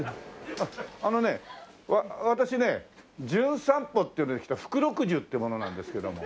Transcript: あのね私ね『じゅん散歩』っていうので来た福禄寿って者なんですけども。